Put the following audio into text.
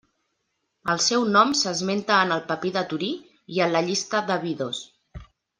El seu nom s'esmenta en el papir de Torí i en la llista d'Abidos.